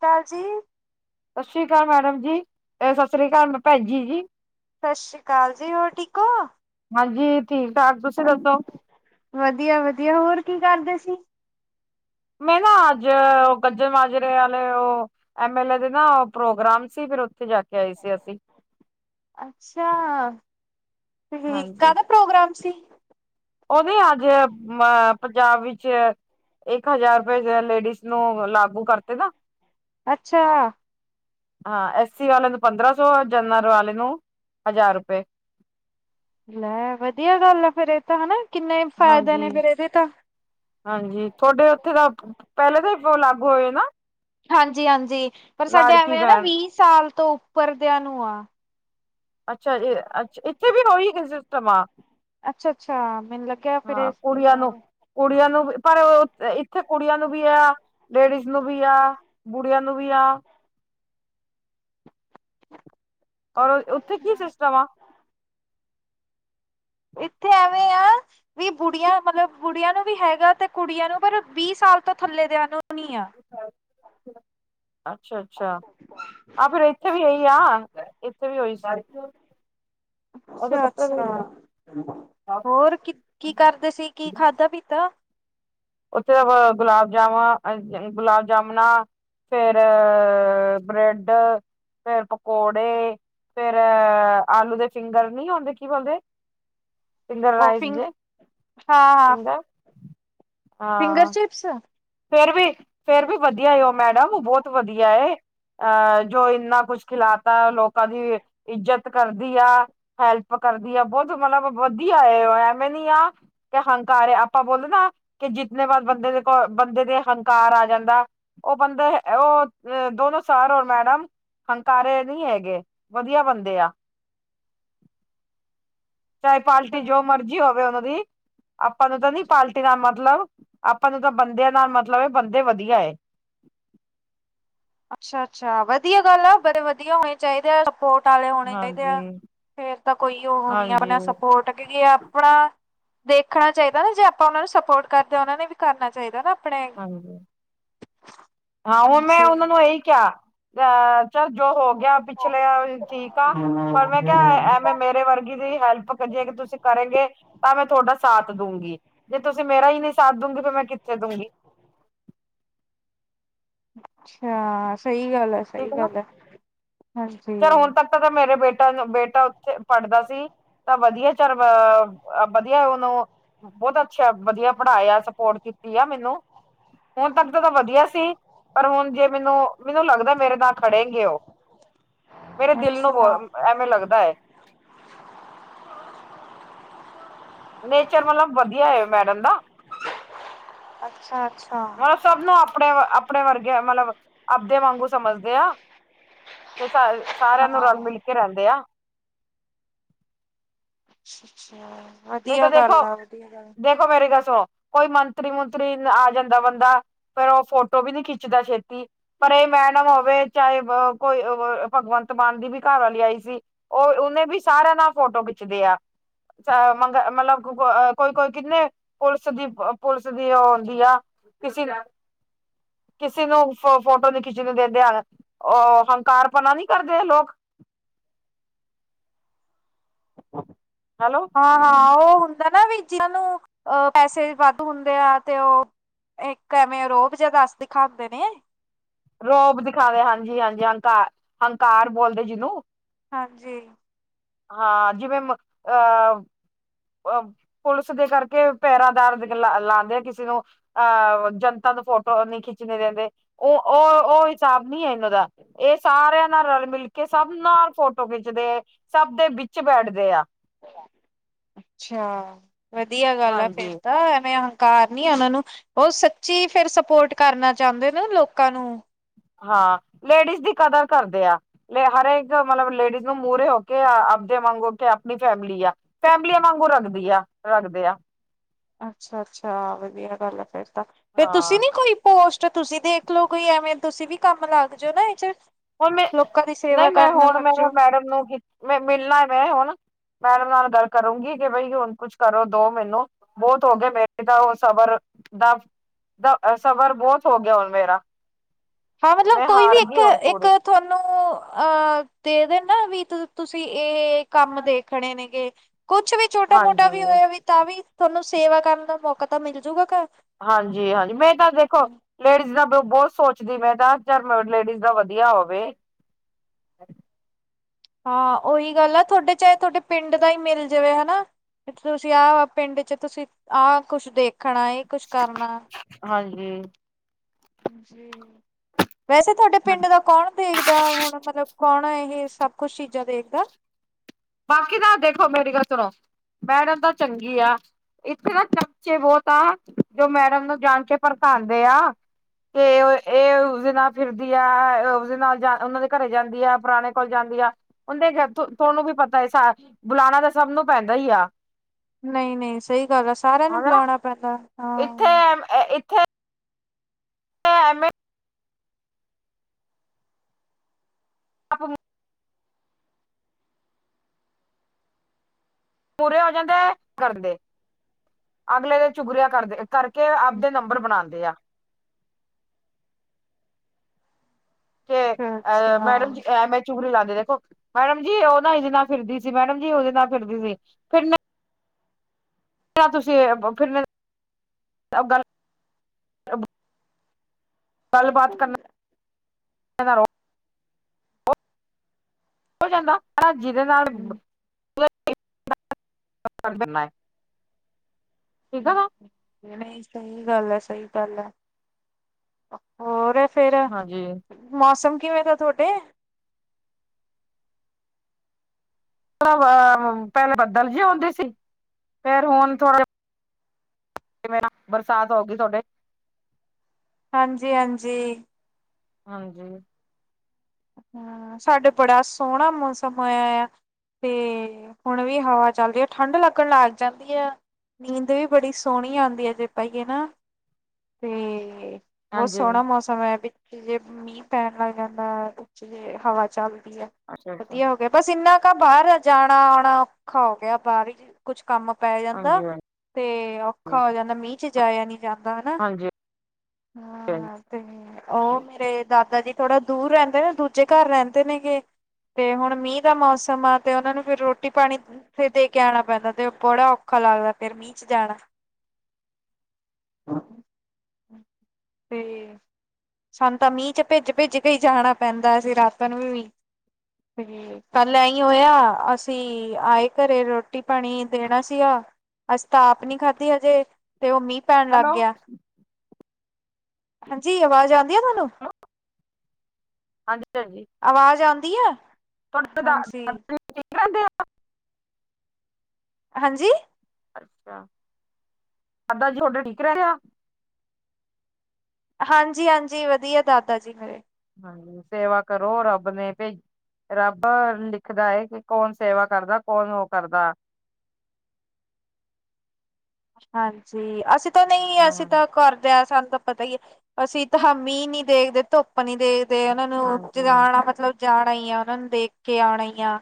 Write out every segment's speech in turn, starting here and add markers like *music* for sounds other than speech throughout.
ਕੱਲ ਜੀ ਠੀਕ ਹੈ ਮੈਡਮ ਜੀ ਸਤਿ ਸ੍ਰੀ ਅਕਾਲ ਮੈਂ ਭੈਜੀ ਜੀ- ਸਤਿ ਸ਼੍ਰੀ ਅਕਾਲ ਜੀ ਹੋਰ ਠੀਕ ਹੋ- ਹਾਂਜੀ ਠੀਕ ਠਾਕ ਤੁਸੀਂ ਦੱਸੋ- ਵਧੀਆ ਵਧੀਆ ਹੋਰ ਕੀ ਕਰਦੇ ਸੀ- ਮੈਂ ਨਾ ਅੱਜ ਉਹ ਗੱਜਲ ਮਾਜਰੇ ਵਾਲੇ ਉਹ- ਐਮ ਐਲ ਏ ਦੇ ਨਾ ਪ੍ਰੋਗਰਾਮ ਸੀ ਫਿਰ ਉੱਥੇ ਜਾ ਕੇ ਆਏ ਸੀ ਅਸੀਂ ਅੱਛਾ ਠੀਕ ਹਾਂਜੀ। ਆ- ਪ੍ਰੋਗਰਾਮ, ਸੀ- ਉਹਦੇ, ਅੱਜ ਅ ਪੰਜਾਬ ਵਿੱਚ- ਇੱਕ ਹਜ਼ਾਰ ਰੁਪਏ ਲੇਡੀਜ਼ ਨੂੰ ਲਾਗੂ ਕਰਤੇ ਨਾ- ਅੱਛਾ- ਹਾਂ ਐਸੀ ਵਾਲੇ ਨੂੰ ਪੰਦਰਾਂ ਸੌ ਜਨਰ ਵਾਲੇ ਨੂੰ ਹਜ਼ਾਰ ਰੁਪਏ ਲੈ ਵਧੀਆ ਗੱਲ ਆ ਫੇਿਰ ਇਹ ਤਾਂ ਹਨਾ ਕਿੰਨੇ ਫਾਇਦੇ ਨੇ ਹਾਂਜੀ। ਫੇਿਰ ਇਹਦੇ ਤਾਂ- ਹਾਂਜੀ ਤੁਹਾਡੇ ਉੱਥੇ ਤਾਂ ਪਹਿਲੇ ਤਾਂ ਹੀ ਲਾਗੂ ਹੋਏ ਨਾ ਹਾਂਜੀ ਹਾਂਜੀ ਪਰ ਸਾਡੇ ਲਾੜਕੀ ਐਵੇਂ ਆ ਨਾ ਬਹਿਣ ਵੀਹ ਸਾਲ ਤੋਂ ਉੱਪਰਦਿਆਂ ਨੂੰ ਆ- ਅੱਛਾ ਅੱਛਾ ਇੱਥੇ ਵੀ ਉਹੀ ਸਿਸਟਮ ਆ ਅੱਛਾ ਅੱਛਾ ਮੈਨੂੰ ਲੱਗਿਆ ਫਿਰ ਹਾਂ ਇਸ ਕੁੜੀਆਂ ਨੂੰ ਤਿਹਾਰ- ਕੁੜੀਆਂ ਨੂੰ ਵੀ, ਪਰ ਇੱਥੇ ਕੁੜੀਆਂ ਨੂੰ ਵੀ ਆ, ਲੇਡੀਜ਼ ਨੂੰ ਵੀ ਆ- ਬੁੜੀਆਂ, ਨੂੰ ਵੀ ਆ- *unintelligible* ਆ *inaudible* ਇੱਥੇ, ਐਵੇਂ ਆ- ਵੀ ਬੁੜੀਆਂ ਮਤਲਬ, ਬੁੜੀਆਂ ਨੂੰ ਵੀ ਹੈਗਾ, ਤੇ ਕੁੜੀਆਂ ਨੂੰ ਪਰ ਵੀਹ ਸਾਲ ਤੋਂ ਥੱਲੇ ਦਿਆਂ ਨੂੰ ਨੀ ਆ- ਅੱਛਾ, ਅੱਛਾ। ਆ ਫੇਰ ਇੱਥੇ ਵੀ ਏਈ ਆ, ਇੱਥੇ ਵੀ ਓਈ ਸੀ। ਉਹਦੇ ਕੱਪੜੇ ਦੇ ਅੱਛਾ-ਅੱਛਾ, ਵਿੱਚ ਹੋਰ ਕੀ ਕੀ ਕਾਰਦੇ ਸੀ ਕੀ ਖਾਦ ਤਾਂ ਪਿਤਾ ਓਥੇ ਬ ਗੁਲਾਬ ਜਾਮਾ ਅ ਅ, ਗੁਲਾਬ ਜਾਮਨਾ ਫੇਰ, ਬ੍ਰੇਡ ਫੇਰ ਪਕੌੜੇ, ਫੇਰ ਆਲੂ ਦੇ ਫਿੰਗਰ ਨੀ ਹੋਂਦੇ ਕੀ ਬੋਲਦੇ ਫਿੰਗਰ ਓ ਰਾਈਸ ਫੀਂਗ, ਦੇ ਹਾਂ ਫਿੰਗਰ ਹਾਂ। *inaudible* ਫੇਰ ਵੀ, ਫੇਰ ਵੀ ਵਧੀਆ, ਉਹ ਮੈਡਮ ਉਹ ਬਹੁਤ ਵਧੀਆ ਹੈ। ਅਹ ਜੋ, ਇੰਨਾ ਕੁਛ ਖਿਲਾਤਾ ਲੋਕਾਂ ਦੀ ਇੱਜਤ ਕਰਦੀ ਆ- ਹੈਲਪ ਕਰਦੀ ਆ ਬਹੁਤ ਮਤਲਬ ਵਧੀਆ, ਉਹ ਐਵੇਂ ਨੀ ਆ- ਕਿ ਹੰਕਾਰ ਏ, ਆਪਾਂ ਬੋਲੋ ਨਾ, ਕਿ ਬੰਦੇ ਦੇ ਕੋਲ ਬੰਦੇ ਦੇ ਹੰਕਾਰ ਆ ਜਾਂਦਾ, ਓ ਬੰਦੇ ਓ ਅ ਦੋਨੋ ਸਰ ਔਰ ਮੈਡਮ- ਹੰਕਾਰੇ ਏ ਨਈ ਹੈਗੇ ਵਦੀਆ ਬੰਦੇ ਆ। ਚਾਏ ਪਾਲਟੀ ਜੋ ਮਰਜੀ ਹੋਵੇ ਓਨਾਂ ਦੀ, ਆਪਾਂ ਨੂੰ ਤਾਂ ਨੀ ਪਾਲ *unintelligible* ਮਤਲਬ, ਆਪਾਂ ਨੂੰ ਤਾਂ ਬੰਦੇਆਂ ਨਾਲ ਮਤਲਬ ਏ ਬੰਦੇ ਵਧੀਆ ਏ। ਅੱਛਾ-ਅੱਛਾ, ਵਧੀਆ ਗੱਲ ਐ ਬੜੇ ਵਦੀਆ ਹੋਣੇ ਚਾਈਦੇ ਆ ਸਪੋਟ ਆਲੇ਼ ਹੋਣੇ ਚਾਈਦੇ ਆ, ਹਾਂਜੀ ਫੇਰ ਤਾ ਕੋਈ ਓਹ ਨੀ ਆ ਆਪਣਾ ਹਾਂਜੀ ਸਪੋਰਟ ਕਿਉਂਕਿ ਆਪਣਾ ਦੇਖਣਾ ਚਾਈਦਾ ਨਾ ਜੇ ਆਪਾਂ ਓਨਾਂ ਨੂੰ ਸਪੋਟ ਕਾਰਦੇ ਆਂ ਓਨਾਂ ਨੇ ਵੀ ਕਾਰਨਾ ਚਾਈਦਾ ਨਾ ਆਪਣੇ ਹਾਂਜੀ, ਹਾਂ ਓ ਮੈਂ ਹਾਂਜੀ ਓਨਾ ਨੂੰ ਏਈ ਕਿਆ ਅ ਚੱਲ ਜੋ ਹੋ ਗਿਆ ਪਿਛਲਾ ਠੀਕ ਆ, ਪਰ ਮੈਂ ਕਿਆ ਮ ਮੇਰੇ ਵਾਰਗੀ ਦੀ ਹੈਲਪ ਜੇ ਕ, ਤੁਸੀਂ ਕਰੇਂਗੇ ਤਾ ਮੈਂ ਤੁਹਾਡਾ ਸਾਥ ਦੂਂਗੀ। ਜੇ ਤੁਸੀਂ ਮੇਰਾ ਈ ਨੀ ਸਾਥ ਦੂਗੀ ਫੇਰ ਮੈਂ ਕਿੱਥੇ ਦੂਂਗੀ। ਅੱਛਾ, ਸਈ ਗੱਲ ਐ। ਠੀਕ ਨਾ, ਚੱਲੋ ਹੋਨ ਤੱਕ ਤਾ ਮੇਰਾ ਬੇਟਾ-ਬੇਟਾ ਓੱਥੇ ਪੜ੍ਹਦਾ ਸੀ ਤਾਂ ਵਧੀਆ ਘਰ ਵਾ ਅ ਵਧੀਆ ਉਹਨੂੰ, ਬਹੁਤ ਅੱਛਾ ਵਧੀਆ ਪੜ੍ਹਾਇਆ ਸਪੋਰਟ ਕੀਤੀ ਆ ਮੈਨੂੰ, ਹੁਣ ਤੱਕ ਤਾਂ ਵਧੀਆ ਸੀ ਪਰ ਹੁਣ ਜੇ ਮੈਨੂੰ, ਮੈਨੂੰ ਲੱਗਦਾ, ਮੇਰੇ ਨਾਲ ਖੜੇ ਗੇ ਉਹ ਮੇਰੇ ਦਿਲ ਨੂੰ ਬ ਅੱਛਾ ਐਵੇਂ ਲੱਗਦਾ ਹੈ ਨੇਚਰ ਮਤਲਬ ਵਧੀਆ ਹੈ ਮੈਡਮ ਨਾ, ਅੱਛਾ ਅੱਛਾ ਹਾ ਸਬ ਨੂੰ ਆਪ ਆਪਣੇ ਆਪਣੇ ਵਰਗੇ ਮਤਲਬ ਆਪਦੇ ਵਾਂਗੂ ਸਮਝਦੇ ਆ, ਤੇ ਸ ਸਾਰਿਆਂ ਨੂੰ ਹਾਂ ਰਲ ਮਿਲ ਕੇ ਰਹਿੰਦੇ ਆ। *inaudible* ਨਹੀਂ ਤਾਂ ਦੇਖੋ, ਗੱਲ ਆ ਵਧੀਆ ਗੱਲ ਦੇਖੋ ਮੇਰੀ ਗੱਲ ਸੁਣੋ ਕੋਈ ਮੰਤਰੀ ਮੁਤਰੀ ਆ ਜਾਂਦਾ ਬੰਦਾ, ਫੇਰ ਉਹ ਫੋਟੋ ਵੀ ਨੀ ਖਿੱਚਦਾ ਛੇਤੀ ਪਰ ਇਹ ਮੈਡਮ ਹੋਵੇ ਚਾਹੇ ਕੋਈ ਭਗਵੰਤ ਮਾਨ ਦੀ ਵੀ ਘਰ ਵਾਲੀ ਆਈ ਸੀ। ਉਹ ਉਹਨੇ ਵੀ ਸਾਰਾ ਨਾਲ ਫੋਟੋ ਖਿੱਚਦੇ ਆ ਮੰਗ ਮਤਲਬ ਕੋਈ ਕੋਈ ਕਿੰਨੇ ਪੁਲਿਸ ਦੀ ਪੁਲਿਸ ਦੀ ਉਹ ਆਉਂਦੀ ਆ, ਕਿਸੀ ਦਾ, ਕਿਸੇ ਨੂੰ ਫ ਫੋਟੋ ਨ ਖਿੱਚਣੀ ਦਿੰਦੇ ਹਨ ਉਹ ਹੰਕਾਰਪਨਾ ਨੀ ਕਰਦੇ ਲੋਕ, ਹੈਲੋ, ਹਾਂ, ਹਾਂ ਉਹ ਹੁੰਦਾ ਨਾ ਵੀ ਜਿਹਨਾਂ ਨੂੰ ਪੈਸੇ ਵਾਧ ਹੁੰਦੇ ਆ ਤੇ ਉਹ, ਇੱਕ ਐਵੇਂ ਰੋਬ ਜਿਹਾ ਦੱਸ ਦਿਖਾਉਂਦੇ ਨੇ, ਰੋਬ ਦਿਖਾਵੇ ਹਾਂਜੀ, ਹਾਂਜੀ ਹੰਕਾਰ ਹੰਕਾਰ ਬੋਲਦੇ ਜਿਨੂੰ, ਹਾਂਜੀ, ਹਾਂ ਜਿਵੇਂ ਮ ਅਹ ਅ ਪੁਲਿਸ ਦੇ ਕਰਕੇ ਪਹਿਰਾਦਾਰ, ਲਾਉਂਦੇ ਆ ਕਿਸੇ ਨੂੰ ਅਹ ਜਨਤਾ ਨੂੰ ਫੋਟੋ ਨੀ ਖਿੱਚਣੀ ਦਿੰਦੇ, ਉਹ -ਉਹ, ਉਹ ਹਿਸਾਬ ਨਹੀਂ ਹੈ ਇਹਨਾਂ ਦਾ। ਇਹ ਸਾਰਿਆਂ ਨਾਲ ਰਲ- ਮਿਲ ਕੇ, ਸਭ ਨਾਲ ਫੋਟੋ ਖਿੱਚਦੇ, ਸਭ ਦੇ ਵਿੱਚ ਬੈਠਦੇ ਆ। ਅੱਛਾ, ਵਧੀਆ ਗੱਲ ਆ ਫੇਰ ਹਾਂਜੀ ਤਾਂ ਐਵੇਂ ਹੰਕਾਰ ਨੀ ਉਹਨਾਂ ਨੂੰ, ਉਹ ਸੱਚੀ ਫਿਰ ਸਪੋਰਟ ਕਰਨਾ ਚਾਹੁੰਦੇ ਨੇ, ਲੋਕਾਂ ਨੂੰ। ਹਾਂ, ਲੇਡੀਜ਼ ਦੀ ਕਦਰ ਕਰਦੇ ਆ। ਹਰੇਕ ਮਤਲਬ, ਲੇਡੀਜ਼ ਨੂੰ ਮੂਹਰੇ ਹੋ ਕੇ ਆਪਦੇ ਵਾਂਗ ਹੋ ਕੇ, ਆਪਣੀ ਫੈਮਿਲੀ ਆ। ਫੈਮਲੀਆਂ ਵਾਂਗੂ ਰੱਖਦੀ ਆ, ਰੱਖਦੇ ਆ। ਅੱਛਾ- ਅੱਛਾ, ਵਧੀਆ ਗੱਲ ਫੇਰ ਤਾਂ, ਫੇਰ ਤੁਸੀਂ ਹਾਂ ਨੀ ਕੋਈ ਪੋਸਟ ਤੁਸੀਂ ਦੇਖ ਲਓ ਕੋਈ, ਐਵੇਂ ਤੁਸੀਂ ਵੀ ਕੰਮ ਲੱਗ ਜਾਓ ਨਾ ਇਹ ਚ ਹੁਣ ਮੈਂ, ਲੋਕਾਂ ਦੀ ਸੇਵਾ ਨਹੀਂ ਮੈਂ, ਕਰਨ ਹੁਣ ਲੱਗ ਮੈ, ਜਾਓ। ਮੈਡਮ ਨੂੰ ਮਿਲਣਾ ਮੈਂ ਹੁਣ ਭੈਣ ਨਾਲ ਗਲ‌ ਕਰੂ ਕੀ ਬਈ ਹੁਣ ਕੁੱਝ ਕਰੋ ਦੋ ਮੈਨੂੰ ਬਹੁਤ ਹੋ ਗਏ ਮੇਰੇ ਤਾਂ ਉਹ ਸਬਰ ਦਾ, ਦਾ ਸਬਰ ਬਹੁਤ ਹੋ ਗਿਆ ਹੁਣ ਮੇਰਾ, ਹਾਂ ਮਤਲਬ ਮੈਂ ਕੋਈ ਵੀ ਹਾਰ ਇੱਕ, ਗਈ ਹੁਣ ਇੱਕ ਪੂਰੀ ਤੁਹਾਨੂੰ, ਉਹ ਅਹ ਦੇ ਦੇ ਨਾ, ਵੀ ਤੁਸੀਂ ਇਹ ਕੰਮ ਦੇਖਣੇ ਨੇ ਗੇ। ਕੁਛ ਵੀ ਛੋਟਾ- ਮੋਟਾ ਵੀ ਹਾਂਜੀ ਹੋਇਆ, ਵੀ ਤਾਂ ਵੀ ਤੁਹਾਨੂੰ ਸੇਵਾ ਕਰਨ ਦਾ ਮੌਕਾ ਤਾਂ ਮਿਲਜੂਗਾ ਗਾ। ਹਾਂਜੀ -ਹਾਂਜੀ, ਮੈਂ ਤਾਂ ਦੇਖੋ ਲੇਡੀਜ਼ ਦਾ ਬਹੁਤ ਸੋਚਦੀ, ਮੈਂ ਤਾਂ ਯਾਰ, ਲੇਡੀਜ਼ ਦਾ ਵਧੀਆ ਹੋਵੇ। ਹਾਂ, ਉਹੀ ਗੱਲ ਆ, ਤੁਹਾਡੇ ਚਾਹੇ ਤੁਹਾਡੇ ਪਿੰਡ ਦਾ ਹੀ, ਮਿਲ ਜਾਵੇ ਹੈਨਾ। ਤੁਸੀਂ ਆਹ ਪਿੰਡ ਚ, ਤੁਸੀਂ ਆਹ ਕੁਛ ਦੇਖਣਾ, ਇਹ ਕੁਛ ਕਰਨਾ। ਹਾਂਜੀ। ਵੈਸੇ, ਤੁਹਾਡੇ ਪਿੰਡ ਦਾ ਕੌਣ ਦੇਖ ਦਾ ਹੁਣ ਮਤਲਬ, ਕੌਣ ਇਹ ਸਭ ਕੁਛ ਚੀਜ਼ਾਂ ਦੇਖਦਾ। ਬਾਕੀ ਤਾਂ ਦੇਖੋ, ਮੇਰੀ ਗੱਲ ਸੁਣੋ, ਮੈਡਮ ਤਾਂ ਚੰਗੀ ਆ। ਇੱਥੇ ਨਾ ਚਮਚੇ ਬਹੁਤ ਆ, ਜੋ ਮੈਡਮ ਨੂੰ ਜਾਣ ਕੇ ਭੜਕਾਉਂਦੇ ਆ। ਤੇ ਇਹ ਉਸਦੇ ਨਾਲ ਫਿਰਦੀ ਆ, ਉਸਦੇ ਨਾਲ ਉਹਨਾਂ ਦੇ ਘਰੇ ਜਾਂਦੀ ਆ, ਪੁਰਾਣੇ ਕੋਲ ਜਾਂਦੀ ਆ। ਉਹਦੇ ਤੁਹਾਨੂੰ ਵੀ ਪਤਾ, ਬੁਲਾਣਾ ਤਾਂ ਸਭ ਨੂੰ ਪੈਂਦਾ ਹੀ ਆ। ਨਹੀਂ -ਨਹੀਂ, ਸਹੀ ਗੱਲ ਆ, ਸਾਰਿਆਂ ਨੂੰ ਹਨਾ ਬੁਲਾਉਣਾ ਪੈਂਦਾ। ਹਾਂ ਇੱਥੇ ਇੱਥੇ *inaudible* ਆਪਾਂ। ਪੂਰੇ ਹੋ ਜਾਂਦੇ ਕਰਦੇ, ਅਗਲੇ ਦੇ ਚੁਗਰਿਆ ਕਰਦੇ। ਕਰਕੇ, ਆਪਦੇ ਨੰਬਰ ਬਣਾਉਂਦੇ ਆ। ਤੇ ਅੱਛਾ ਅ ਮੈਡਮ ਅੱਛਾ ਜੀ, ਐਮੇ ਚੁਗਲੀ ਲਾਉਂਦੇ, ਦੇਖੋ ਮੈਡਮ ਜੀ ਉਹ ਨਾ ਇਹਦੇ ਨਾਲ ਫਿਰਦੀ ਸੀ, ਮੈਡਮ ਜੀ ਉਹਦੇ ਨਾਲ ਫਿਰਦੀ ਸੀ, ਫਿਰ *unintelligible* ਗੱਲਬਾਤ ਕਰਨਾ ਰ ਹੋ ਜਾਂਦਾ, *unintelligible* ਹਨ ਜਿਹਦੇ ਨਾਲ। ਠੀਕ ਆ ਨਾ ਨਹੀਂ, ਸਹੀ ਗੱਲ ਹੈ, ਸਹੀ ਗੱਲ ਹੈ। ਹੋਰ ਫੇਰ, ਹਾਂਜੀ ਮੌਸਮ ਕਿਵੇਂ ਦਾ ਤੁਹਾਡੇ? ਪਹਿਲੇ, ਬੱਦਲ ਜੇ ਆਉਂਦੇ ਸੀ ਫੇਰ ਹੁਣ ਥੋੜਾ ਕਿਵੇਂ, ਬਰਸਾਤ ਹੋ ਗਈ ਤੁਹਾਡੇ। ਹਾਂਜੀ -ਹਾਂਜੀ। ਹਾਂਜੀ। ਹਮ, ਸਾਡੇ ਬੜਾ ਸੋਹਣਾ ਮੌਸਮ ਆਇਆ ਆ ਤੇ ਹੁਣ ਵੀ ਹਵਾ ਚੱਲਦੀ ਹੈ, ਠੰਢ ਲੱਗਣ ਲੱਗ ਜਾਂਦੀ ਹੈ। ਨੀਂਦ ਵੀ ਬੜੀ ਸੋਹਣੀ ਆਉਂਦੀ ਹੈ ਜੇ ਪਾਈਏ ਨਾ ਤੇ ਬਹੁਤ ਹਾਂਜੀ ਸੋਹਣਾ ਮੌਸਮ ਹੈ, ਵਿੱਚ ਜੇ ਮੀਂਹ ਪੈਣ ਲੱਗ ਜਾਂਦਾ ਹੈ, ਵਿੱਚ ਜੇ ਹਵਾ ਚੱਲਦੀ ਹੈ ਅੱਛਾ ਅੱਛਾ ਵਧੀਆ ਹੋਗਾ, ਬਸ ਇੰਨਾ ਕੁ ਬਾਹਰ ਜਾਣਾ ਆਉਣਾ ਔਖਾ ਹੋ ਗਿਆ ਬਾਹਰ ਕੁਛ ਕੰਮ ਪੈ ਜਾਂਦਾ, ਹਾਂਜੀ ਹਾਂਜੀ ਤੇ ਔਖਾ ਹੋ ਜਾਂਦਾ ਮੀਂਹ ਚ ਜਾਇਆ ਨੀ ਜਾਂਦਾ ਹਨਾ ਹਾਂਜੀ ਹਾਂ, ਹਾਂਜੀ ਤੇ ਉਹ ਮੇਰੇ ਦਾਦਾ ਜੀ ਥੋੜਾ ਦੂਰ ਰਹਿੰਦੇ ਨਾ ਦੂਜੇ ਘਰ ਰਹਿੰਦੇ ਨੇਗੇ ਤੇ ਹੁਣ ਮੀਂਹ ਦਾ ਮੌਸਮ ਆ ਤੇ ਉਹਨਾ ਨੂੰ ਫਿਰ ਰੋਟੀ ਪਾਣੀ ਉੱਥੇ ਦੇ ਕੇ ਆਉਣਾ ਪੈਂਦਾ ਤੇ ਬੜਾ ਔਖਾ ਲੱਗਦਾ ਫੇਰ ਮੀਂਹ ਚ ਜਾਣਾ ਹਮ ਤੇ ਸਾਨੂੰ ਤਾਂ ਮੀਂਹ ਚ ਭਿੱਜ- ਭਿੱਜ ਕੇ ਹੀ ਜਾਣਾ ਪੈਂਦਾ ਸੀ ਰਾਤਾਂ ਨੂੰ ਵੀ ਹਾਂ ਕੱਲ ਐਂ ਹੋਇਆ ਅਸੀਂ ਆਏ ਘਰੇ ਰੋਟੀ ਪਾਣੀ ਦੇਣਾ ਸੀਗਾ ਅੱਜਂ ਤਾਂ ਆਪ ਨਹੀਂ ਖਾਧੀ ਹਜੇ, ਤੇ ਉਹ ਮੀਂਹ ਪੈਣ ਲੱਗ ਹੈਲੋ ਗਿਆ ਹਾਂਜੀ, ਆਵਾਜ਼ ਆਉਂਦੀ ਆ ਤੁਹਾਨੂੰ ਹਾਂਜੀ -ਹਾਂਜੀ। ਆਵਾਜ਼ ਆਂਉਦੀ ਆ ਤੁਹਾਡੇ ਹਾਂਜੀ। ਤਾਂ ਠੀਕ ਰਹਿੰਦੇ ਆ? ਹਾਂਜੀ ਅੱਛਾ, ਸਾਦਾ ਜੀ ਤੁਹਾਡਾ ਠੀਕ ਰਹਿ ਹੋ ਹਾਂਜੀ -ਹਾਂਜੀ ਵਧੀਆ ਦਾਦਾ ਜੀ ਮੇਰੇ ਹਾਂਜੀ ਸੇਵਾ ਕਰੋ ਰੱਬ ਨੇ ਭੇਜ ਰੱਬ ਲਿਖਦਾ ਹੈ ਕਿ ਕੌਣ ਸੇਵਾ ਕਰਦਾ ਕੌਣ ਉਹ ਕਰਦਾ ਹਾਂਜੀ, ਅਸੀਂ ਤਾਂ ਨਹੀਂ ਅਸੀਂ ਹੂੰ, ਤਾਂ ਕਰਦੇ ਹ ਸਾਨੂੰ ਪਤਾ ਹੀ ਹੈ ਅਸੀਂ ਤਾਂ ਮੀਂਹ ਨੀ ਦੇਖਦੇ, ਧੁੱਪ ਨੀ ਦੇਖਦੇ ਉਹਨਾਂ ਨੂੰ ਹਾਂਜੀ, ਜਗਾਣਾ ਮਤਲਬ ਜਾਣਾ ਹੀ ਆ ਉਹਨਾਂ ਨੂੰ ਦੇਖ ਕੇ ਆਉਣਾ ਆ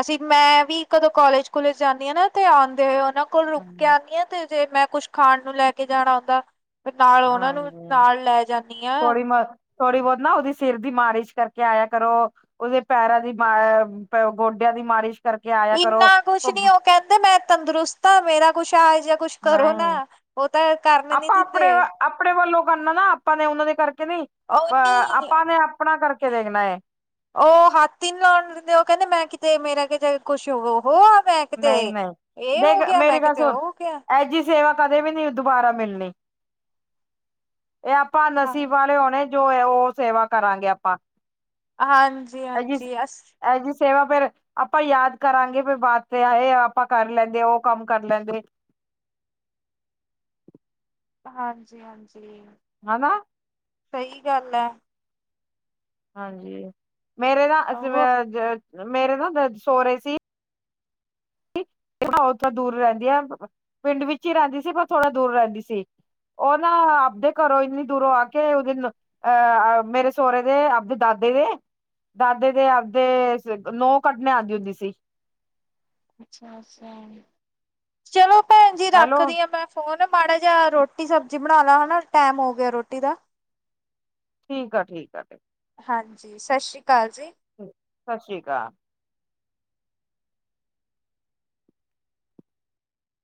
ਅਸੀਂ ਮੈਂ ਵੀ ਕਦੋਂ ਕਾਲਜ ਕਾਲਜ ਜਾਂਦੀ ਹਾਂ ਨਾ ਤੇ ਆਉਂਦੇ ਹੋਏ ਉਹਨਾਂ ਕੋਲ ਰੁਕ ਕੇ ਹੂੰ, ਆਉਂਦੀ ਹਾਂ ਤੇ ਜੇ ਮੈਂ ਕੁੱਝ ਖਾਣ ਨੂੰ ਲੈ ਕੇ ਜਾਣਾ ਹੁੰਂਦਾ ਤੇ ਨਾਲ ਉਹਨਾਂ ਨੂੰ ਹਾਂਜੀ। ਨਾਲ ਲੈ ਜਾਂਦੀ ਹਾਂ। ਮ ਥੋੜੀ ਬਹੁਤ ਨਾ, ਉਹਦੀ ਸਿਰ ਦੀ ਮਾਲਿਸ਼ ਕਰਕੇ ਆਇਆ ਕਰੋ ਉਹਦੇ ਪੈਰਾਂ ਦੀ ਮ ਗੋਡਿਆਂ ਦੀ ਮਾਲਿਸ਼ ਕਰਕੇ ਆਇਆ ਕਰੋ। ਇੰਨਾ ਕੁਛ ਨੀ ਉਹ ਕਹਿੰਦੇ ਕਹਿੰਦੇ ਮੈਂ ਤੰਦਰੁਸਤ ਹਾਂ ਮੇਰਾ ਕੁਛ ਆ ਜਾਂ ਕੁਛ ਕਰੋ ਨਹੀਂ, ਨਾ ਉਹ ਤਾਂ ਕਰਨ ਨੀ ਆਪਾਂ ਦਿੰਦੇ ਆਪਣੇ ਆਪਣੇ ਵੱਲੋਂ ਕਰਨਾ ਨਾ ਆਪਾਂ ਨੇ ਉਹਨਾਂ ਦੇ ਕਰਕੇ ਨੀ ਉਹ ਅ ਨੀ ਆਪਾਂ ਨੇ ਆਪਣਾ ਕਰਕੇ ਦੇਖਣਾ ਉਹ ਹੱਥ ਹੀ ਨੀ ਲਾਉਣ ਦਿੰਦੇ ਉਹ ਕਹਿੰਦੇ ਮੈਂ ਕਿਤੇ ਮੇਰਾ ਕੁਛ ਹੋ ਉਹ ਮੈਂ ਕਿਤੇ ਨਹੀਂ -ਨਹੀਂ, ਇਹ ਹੋ ਦੇਖ ਗਿਆ ਮੈਂ ਮੇਰੀ ਗੱਲ ਕਿਤੇ ਸੁਣ ਉਹ ਹੋ ਗਿਆ ਸੇਵਾ ਕਦੇ ਵੀ ਨੀ ਦੁਬਾਰਾ ਮਿਲਣੀ, ਇਹ ਆਪਾਂ ਹਾਂ ਨਸੀਬ ਵਾਲੇ ਆਉਣੇ ਜੋ ਹੈ ਉਹ ਸੇਵਾ ਕਰਾਂਗੇ ਆਪਾਂ ਹਾਂਜੀ ਇਹ ਜਿਹੀ -ਹਾਂਜੀ ਅਸ ਇਹ ਕੀ, ਸੇਵਾ ਫੇਰ, ਆਪਾਂ ਯਾਦ ਕਰਾਂਗੇ। ਫੇਰ ਬਾ- ਤੇ ਇਹ, ਆਪਾਂ ਕਰ ਲੈਂਦੇ। ਉਹ ਕੰਮ ਕਰ ਲੈਂਦੇ। ਹਾਂਜੀ, ਹਾਂਜੀ। ਹਨਾ ਸਹੀ ਗੱਲ ਹੈ। ਹਾਂਜੀ, ਮੇਰੇ ਨਾ ਉਹ ਅਸੀਂ ਮੇਰੇ ਨਾ ਸੋਹਰੇ ਸੀ ਉਹ ਦੂਰ ਰਹਿੰਦੀ ਆ, ਪਿੰਡ ਵਿੱਚ ਹੀ ਰਹਿੰਦੀ ਸੀ ਪਰ ਥੋੜਾ ਦੂਰ ਰਹਿੰਦੀ ਸੀ ਉਹ ਨਾ ਆਪਦੇ ਘਰੋਂ ਇੰਨੀ ਦੂਰੋਂ ਆ ਕੇ ਉਹਦੇ ਅਹ ਮੇਰੇ ਸਹੁਰੇ ਦੇ ਆਪਦੇ ਦਾਦੇ ਦੇ ਦਾਦੇ ਦੇ ਆਪਦੇ ਨੂੰਹ ਕੱਢਣੇ ਆਉਂਦੀ ਹੁੰਦੀ ਸੀ ਅੱਛਾ-ਅੱਛਾ, ਚਲੋ ਭੈਣ ਜੀ ਹੈਲੋ ਰੱਖਦੀ ਆਂ ਮੈਂ ਉਹ ਨਾ ਮਾੜਾ ਜਿਹਾ ਰੋਟੀ ਸਬਜ਼ੀ ਬਣਾ ਹਨਾ ਟੈਮ ਹੋ ਗਿਆ ਰੋਟੀ ਦਾ ਠੀਕ ਆ। ਠੀਕ ਆ। ਹਾਂਜੀ। ਸਤਿ ਸ਼੍ਰੀ ਅਕਾਲ ਜੀ। ਸਤਿ ਸ਼੍ਰੀ ਅਕਾਲ।